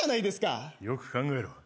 よく考えろ。